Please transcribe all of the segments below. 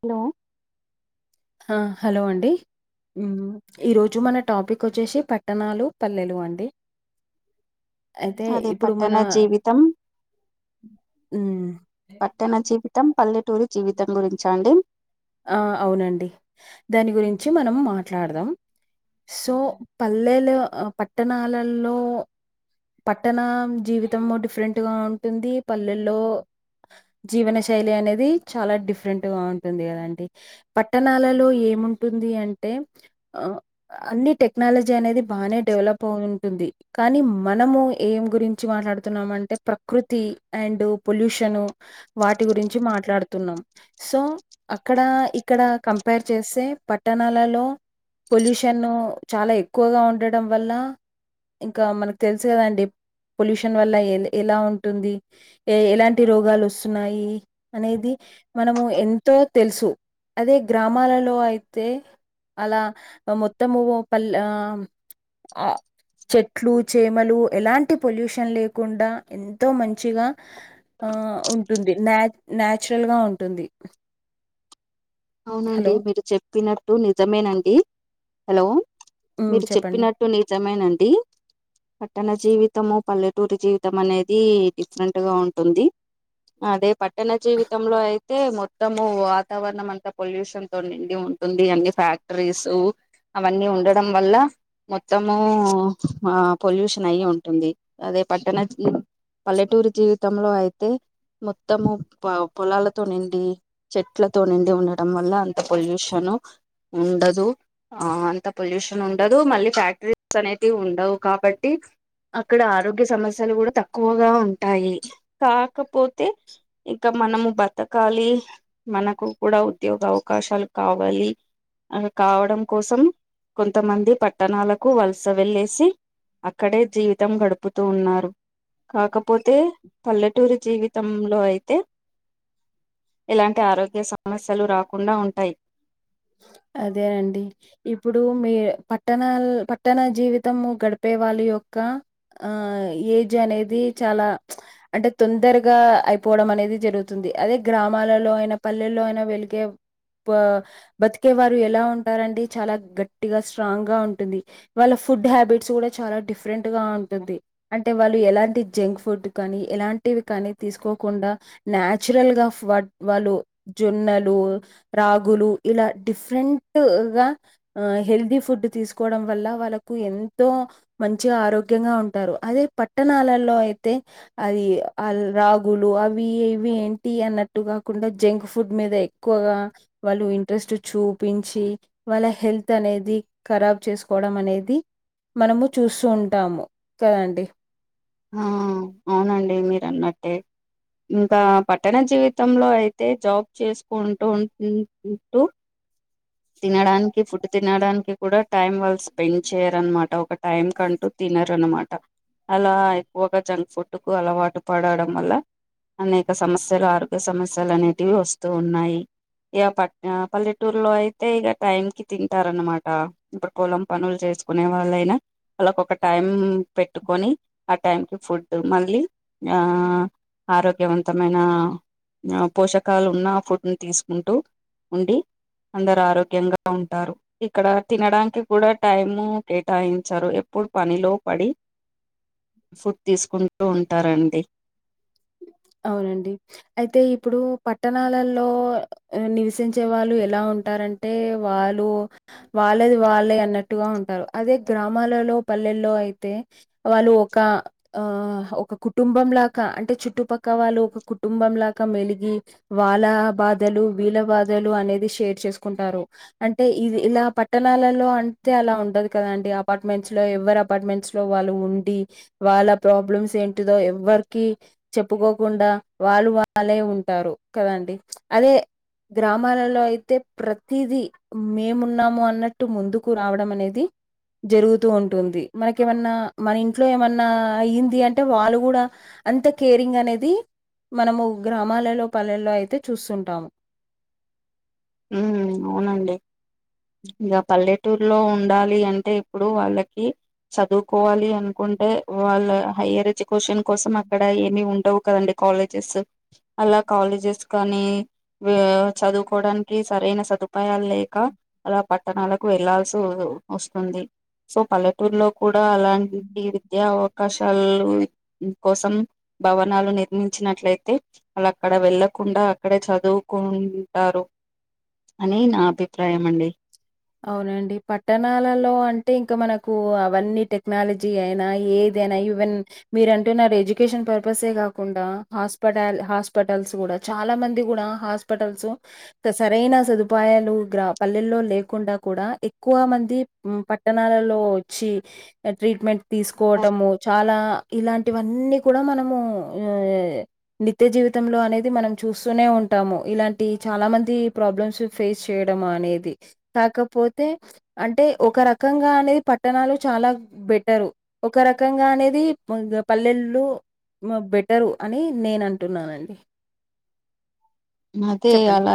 Hello అ hello అండి ఊమ్ ఈరోజు మన టాపిక్ ఒచ్చేసి పట్టణాలు పల్లెలు అండి అయితే అదే ఇప్పుడు మన పట్టణ జీవితం ఊమ్ పట్టణ జీవితం పల్లెటూరి జీవితం గురించా అండి ఆ అవునండి దాని గురించి మనం మాట్లాడదాం సో పల్లెలో అ పట్టణాలల్లో పట్టణ జీవితము డిఫరెంట్ గా ఉంటుంది పల్లెల్లో జీవన శైలి అనేది చాలా డిఫరెంట్ గా ఉంటుంది గదండి పట్టణాలలో ఏముంటుంది అంటే అన్ని టెక్నాలజీ అనేది బానే డెవలప్ ఉంటుంది కానీ మనము ఏం గురి మంచి మాట్లాడుతున్నామంటే ప్రకృతి అండ్ పొల్యూషన్ వాటి గురించి మాట్లాడు తున్నాం సో అక్కడా ఇక్కడా కంపేర్ చేస్తే పట్టణాలలో పొల్యూషన్ను చాలా ఎక్కువగా ఉండడం వల్ల ఇంకా మనకు తెలుసు గదండి పొల్యూషన్ వల్ల ఎ ఎలా ఉంటుంది ఎ ఎలాంటి రోగాలు వస్తున్నాయి అనేది మనము ఎంతో తెలుసు అదే గ్రామాలలో అయితే అలా మొత్తము పల్ ఆ ఆ చెట్లు చేమలు ఎలాంటి పొల్యూషన్ లేకుండా ఎంతో మంచిగా ఆ ఉంటుంది నా నాచురల్ గా ఉంటుంది అవునండి హలో మీరు చెప్పినట్టు నిజమేనండి హలో హ్మ్ మీరు చెప్పండి చెప్పినట్టు నిజమేనండీ పట్టణ జీవితము పల్లెటూరు జీవితం అనేది డిఫరెంట్‌గా ఉంటుంది. అదే పట్టణ జీవితంలో అయితే మొత్తము వాతావరణం అంతా పొల్యూషన్‌తో నిండి ఉంటుంది అన్ని ఫ్యాక్టరీసు అవన్నీ ఉండడం వల్ల మొత్తము ఆ పొల్యూషన్ అయి ఉంటుంది అదే పట్టణ జీవి పల్లెటూరు జీవితంలో అయితే మొత్తము ప పొలాలతో నిండి చెట్లతో నిండి ఉన్నట్ ఉండడం వల్ల అంత పొల్యూషను ఉండదు ఆ అంత పొల్యూషన్ ఉండదు మళ్లీ ఫ్యాక్టరీస్ అనేటివి ఉండవు కాబట్టి అక్కడ ఆరోగ్య సమస్యలు గూడ తక్కువగా ఉంటాయి కాకపోతే ఇక మనము బతకాలి మనకు కూడా ఉద్యోగ అవకాశాలు కావాలి ఆన్ కావడం కోసం కొంతమంది పట్టణాలకు వలస వెళ్ళేసి అక్కడే జీవితం గడుపుతూ ఉన్నారు కాకపోతే పల్లెటూరు జీవితంలో అయితే ఏలాంటి ఆరోగ్య సమస్యలు రాకుండా ఉంటాయి ఆ అదే అండి ఇప్పుడు మీ పట్టణాల్ పట్టణ జీవితము గడిపే వాళ్లు యొక్ అక్క ఆ ఏజ్ అనేది చాలా అంటే తొందరగా అయిపోవడం అనేది ఇది జరుగుతుంది అదే గ్రామాలలో అయినా పల్లెల్లో అయినా వెలిగే పా బతికే వారు ఎలా ఉంటారండి చాలా గట్టిగా స్ట్రాంగ్ గా ఉంటుంది వాళ్ల ఫుడ్ హ్యాబిట్స్ గూడ చా చాలా డిఫరెంట్‌గా ఉంటుంది అంటే వాళ్లు ఎలాంటి జంక్ ఫుడ్ కానీ ఎలాంటివి కానీ తీసుకో కుండా నచురల్గా ఫడ్ వాళ్లు జొన్నలు రాగులు ఇలా డిఫరెంట్ గా హెల్దీ ఫుడ్ తీసుకోవడం వల్ల వాళ్లకు ఎంతో మంచిగా ఆరోగ్యంగా ఉంటారు అదే పట్టణాలలో అయితే అది ఆ రాగ్ గులు అవి ఇవి ఏంటి అన్నట్టు గాకుండా జంక్ ఫుడ్ మీద ఎక్కువగా వాళ్లు ఇన్ ఇంట్రెస్ట్ చూపించి వాళ్ల హెల్త్ అనేది ఖరాబ్ చేసుకోవడం మనేది మనము చూసు ఉంటాము కదండి ఉమ్మ్ అవునండి మీరు అన్నట్టే ఇంకా పట్టణ జీవితంలో అయితే జాబ్ చేసుకుంటు ఉం ఉ ఉంటూ తినడానికి ఫుడ్ తినడానికి కూడా టైం వాళ్లు స్పెండ్ చేయరన్నమాట ఒక టైం కంటూ తినరన్నమాట అలా ఎక్కువగా జంక్ ఫుడ్ కు అలవాటు పడడం వల్ల అనేక సమస్యలు ఆరోగ్య సమస్యలు అనేటివి వస్తూ ఉన్నాయి య్య పట్ ఆ పల్లెటూర్ లో అయిత్ ఏ ఇగ టైం కి తింటారన్నమాట ఇప్పుడు పొలం పనులు చేసుకునే వాళ్ళైనా వాళ్లకు ఒక టైం పెట్టుకొని ఆ టైంకిి ఫుడ్ మళ్లీ ఆ ఆరోగ్యవంతమైన ఆ ఆ పోషకాలు ఉన్న ఫుడ్ ని తీసుకుంటూ ఉండి అందరరోగ్యంగా ఉంటారు ఇక్కడ తినడానికి కూడా టైము కేటాయించారు ఎప్పుడు పనిలో పడి [inaudible] ఫుడ్ తీసుకుంటూ ఉంటారండి అవునండి అయితే ఇప్పుడు పట్టణాలల్లో నివసించే వాళ్లు ఎలా ఉంట్ ఉంటారంటే వాళ్లు వాళ్లది వాళ్లే అన్నట్టుగా ఉంటారు అదే గ్రామాలలో పల్ పల్లెల్లో అయితే వాళ్లు ఒక ఆ ఒక కుటుంబం లేక అంటే చుట్టుపక్ పక్క వాళ్లు ఒక కుటుంబం లేక మెలిగి వాళ్ల బాధలు వీళ్ల బాధలు అనేది షేర్స్ చే చేకుంటారు అంటే ఇ ఇలా పట్టణాలలో అంటే అలా ఉండదు కదండి అపార్ట్మెంట్స్ లో ఎవర్ అపార్ట్మెంట్స్ లో వాళ్ళు ఉంది వాళ్ళ ప్రాబ్లస్ ఏంటిదో ఎవరికి చె ప్పుకోకుండా వాళ్ళు వాళ్ళే ఉంటారు కదండి అదే గ్రామాలలో అయితే ప్రతిదీ మేమున్నాము అన్నట్టు ముందుకు రావడం అనేది జరుగుతూ ఉంటుంది మనక ఏమన్నా మన ఇంట్లో ఏమన్నా అయ్యింది అంటే వాళ్ళు కూడా అంత కేరింగ్ అనేది మనము గ్రామాలలో పల్లెల్లో అయితే చూస్తుంటాము [inaudible] ఉమ్ అవునండి ఇకా పల్లె టూర్లో ఉండాలి అంటే ఇప్పుడు వాళ్ళకి చదువుకోవాలి అనుకుంటే వాళ్ళ హైయర్ ఎడ్యుకేషన్ కోసం అక్కడ ఏమి ఉండవు కదండి కాలేజెస్ అలా కాలేజెస్ కానీ చదువుకోవడానికి సరైన సదుపాయాలు లేక అలా పట్టణాలకు వెళ్లాల్సి వస్తుంది సో పల్లెటూరులో కూడా అలాంటి విద్యా అవకాశాలు కోసం భవనాలు నిర్మించినట్లయితే అలా అక్కడ వెళ్ళ కుండా అక్కడే చదువుకుంటారు అని నా అభిప్రాయం అండి అవునండి పట్టణాలలో అంటే ఇంకా మనకు అవన్నీ టెక్నాలజీ అయినా ఏది అదేనా ఈవెన్ మీరు అంటున్నారు ఎడ్యుకేషన్ పర్పస్ కాకుండా హాస్పిటల్ హాస్పిటల్స్ కూడా చాలా మంది కూడా హాస్పిటల్స్ సరైన సదుపాయాలు పల్లెల్లో లే కుండా కూడా ఎక్కువ మంది పట్టణాలలో వచ్చి ట్రీట్మెంట్ నా తీసుకోవటము చాలా ఇలాంటి ఇవన్నీ కూడా మనము ఆ నిత్య జీవితంలో అనేది మనం చూస్తూనే ఉంటాము ఇలాంటి చాలా మంది ప్రాబ్లమ్స్ ఫేస్ చేయడం అనేది కాకపోతే అంటే ఒక రకంగా అనేది పట్టణాలు చాలా బెటరు ఒక ఒక రకంగా అనేది పల్లెళు బెటరు అని నేను అంటున్నానండి అదే చెప్పండి. అలా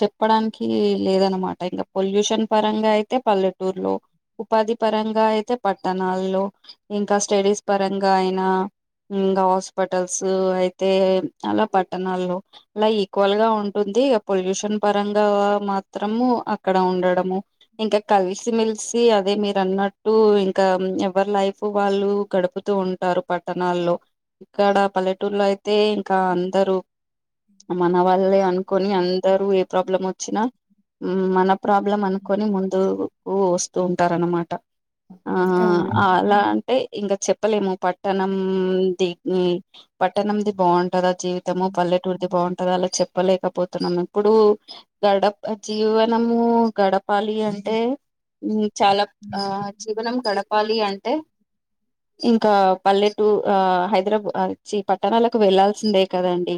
చెప్పడానికి లేదనమాట ఇంకా పొల్యూషన్ పరంగా అయితే పల్లెటూర్లో ఉపాధి పరంగా అయితే పట్టణాల్లో ఇంకా స్టడీస్ పరంగా అయినా ఇంకా హాస్పిటల్స్ అయితే అలా పట్టణాల్లో అలా ఈక్వల్గా ఉంటుంది ఇ పొల్యూషన్ పరంగా మాత్రము అక్కడ ఉండడము ఇంకా కలిసిమెలిసి అదే మీరు అన్నట్టు ఇంకా ఎవరి లైఫ్ వాళ్ళు గడుపుతూ ఉంటారు పట్టణాల్లో ఇక్కడ పల్లెటూరులో అయితే ఇంకా అందరు మన వాళ్ళే అనుకొని అందరు ఏ ప్రాబ్లం వచ్చినా మన ప్రాబ్లం అనుకొని ముందుకు వస్తూ ఉంటారన్నమాట ఆ అవును. అలా అంటే ఇంకా చెప్పలేము పట్టణంది పట్టణంది బాగుంటదా జీవితము పల్ పల్లెటూర్ది బా అలా చెప్పలేకపోతున్నాము ఇప్పుడు గడప జీవనము గడపాలి అంటే అంటే చాలా ఆ జీవనం గడపాలి అంటే ఇంకా పల్లెటూ హైదరాబాద్ చి పట్టణాలకు వెళ్లాల్సిందే కదండి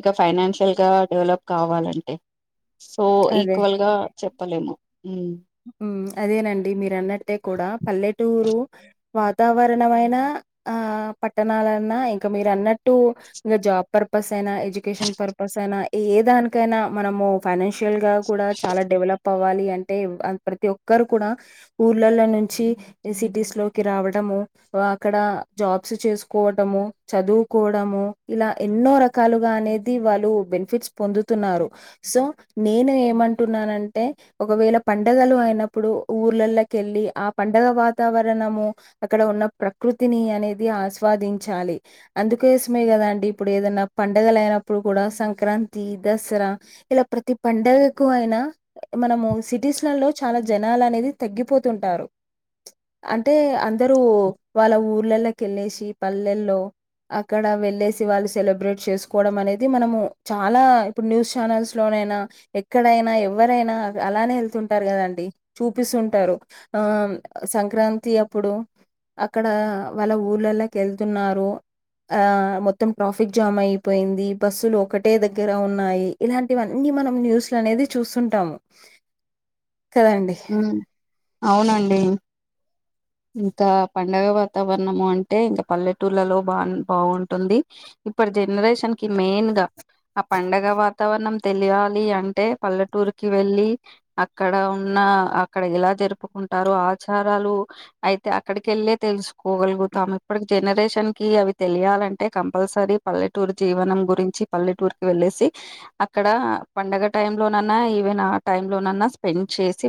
ఇక ఫైనాన్షియల్ గా డెవలప్ కావాలంటే సో ఈక్వల్ గా చెప్పలేము ఉమ్ అదేనండి మీరు అన్నటె కూడా పల్లెటూరు వాతావరణమైన ఆ పట్టణాలన్నా ఇంకా మీరు అన్నట్టు ఇంకా జాబ్ పర్పస్ అయినా ఎడ్యుకేషన్ పర్పస్ అయినా ఏ దానికైనా మనము ఫైనాన్షియల్ గా కూడా చాలా డెవలప్ పోవాలి అంటేవ్ అ ప్రతి ఒక్కరు కూడా ఊర్లలో నుంచి సిటీస్లోకి రావడము వ అక్కడ ఆ జాబ్స్ చేసుకోవటము చదువుకోవడము ఇలా ఎన్నో రకాలుగా అనేది వాళ్ లు బనిఫిట్స్ పొందుతున్నారు సో నేను ఏమంటున్నానంటే ఒకవేళ పండగలు అయినప్పుడు ఊర్లలోకి యెల్లి ఆ పండగ వాతావరణము అక్కడ ఉన్న ప్రకృత్ కృతిని అనేది ఆస్వాదించాలి అందుకోసమే కదాండి ఇప్పుడు ఏదన్నా పండగలయినప్పుడు కూడా సంక్రాంతి దసరా ఇలా ప్రతి పండగకు అయినా మనము సిటీస్ లలో చాలా జనాలు అనేది తగ్గిపోతుంటారు అంటే అ దరు వాళ్ళ ఊర్లల్లోకి వెళ్ళేసి పల్లెల్లో అక్కడ వెళ్ళేసి వాళ్ళు సెలబ్రేట్ చేసుకోవడం అనేది మనము చాలా ఇప్పుడు న్యూస్ ఛానల్స్లోనే డైనా ఎక్కడైనా ఎవరైనా అగ్ అలానే వెతుంట టారు కదండి చూపిస్తుంటారు ఆ సంక్రాంతి అప్పుడు అక్కడ వాళ్ళ ఊళ్ళల్లోకి వెళ్తున్నారు ఆ మొత్తం ట్రాఫిక్ జామ్ అయిపోయింది బస్సులు ఒకటే దగ్గర ఉన్నాయి ఇలాంటివన్నీ మనం న్యూస్లో అనేది చూస్తుంటాము కదండి ఉమ్ అవునండి [inaudible] ఇంకా పండుగ వాతావరణం అంటే ఇంకా పల్లెటూళ్లలో బాన్ బాగుంటుంది ఇప్పడ్ జనరేషన్కి మెయిన్గా ఆ పండగ వాతావరణం తెలియాలి అంటే పల్లెటూరుకి వెళ్ళి అక్కడ ఉన్నా అక్కడ ఎలా జరుపుకుంటారు ఆచారాలు అయితే అక్కడికి యెల్లే తెలుసుకోగలగు ఉతాము ఇప్పటి జనరేషన్కి అవి తెలియాలంటే కంపల్సరీ పల్లెటూరు జీవనం గురించి పల్లె టూర్కి వెళ్ళేసి అక్కడ పండగ టైమ్లోనన్నా ఈవెన్ ఆ టైలోనన్నా స్పెండ్ చేసి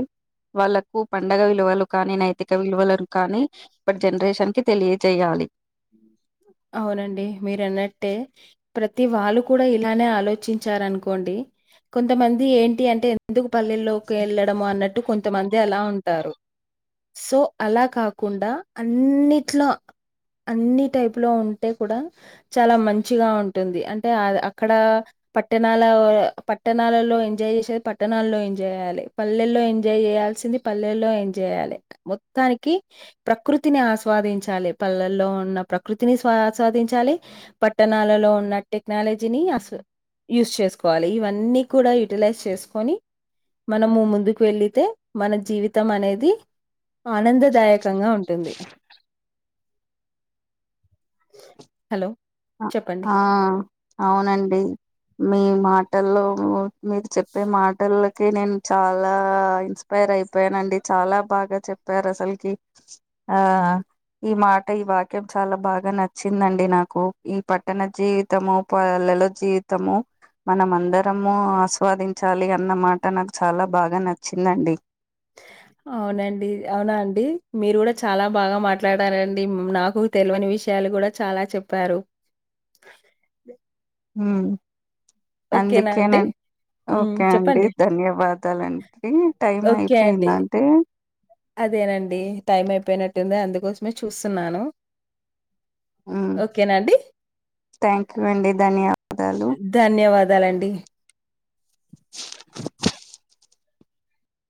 వాళ్ళలకు పండగ విలువలు కానీ నైతిక విలువలు కానీ ఇప్పటి జనరేషన్కి తెలియచేయాలి. అవునండి మీరున్నట్టే ప్రతి వాళ్ళు కూడా ఇలానే ఆలోచించారనుకోండి కొంతమంది ఏంటి అంటే ఎందుకు పల్లెల్లోకి వెళ్ళడం అన్నట్ టు కొంతమంది అలా ఉంటారు సో అలా కాకుండా అన్నిట్లో అన్ని టైప్ లో ఉంటే కూడా చాలా మంచిగా ఉంటుంది అంటే అద అక్కడ పట్టణాల పట్టణాలలో ఎంజాయ్ చేసే పట్టణల్లో ఎంజాయ్ చేయాలి పల్లెల్లో ఎంజాయ్ చేయాల్సింది పల్లెలో జేయాలి మొత్తానికి ప్రకృతిని ఆస్వాదించాలి పల్లెల్లో ఉన్న ప్ర కృతిని స్వా స్వాదించాలి పట్టణాలలో ఉన్న టెక్నాలజీని అసు యూస్ చేసుకోవాలి ఇవన్నీ కూడా యుూటిలైజ్ చేసుకొని మనము ముందుకు వెళ్ళితే మన జీవితం అనేది ఆనంద దాయకంగా ఉంటుంది హలో అ చెప్పండి. ఆ అవునండి మీమ్ మాటల్లో మీరు చెప్పే మాటలకి నేను చాలా ఇన్స్పైర్ అయిపోయానన్ అండి చాలా బాగా చెప్పారు అసల్కి ఆ ఈ మాట ఈ వాక్యం చాలా బాగా నచ్చిందండి నాకు ఈ పట్టణ జీవితము పల్లెలలో జీవితము మనం అందరము ఆస్వాదించాలి అన్న మాట నాకు చాలా బాగా నచ్చిందండి. అ అవునండి అవునా అండి మీరు కూడా చాలా బాగా మాట్లాడారండి నాకు తెలివని విషయం లు కూడా చాలా చెప్పారు ఉం ఓకేనా అండి హ్మ్. ఓకే అండి చెప్పండి. ధన్యవాదాలండి టైం ఓకే అండి. అయిపోయింద అంటి అదేనండి టైం అయిపోయినట్టుంది అందుకోసమే చూస్తున్నాను ఉం ఓకేనా అండి? థ్యాంక్ యు అండి ధన్యవా ధన్యవాదాలండి